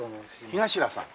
東良さん？